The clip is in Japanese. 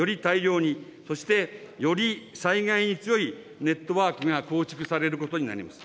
より速く、より大量に、そしてより災害に強いネットワークが構築されることになります。